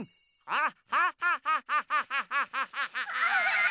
あっ！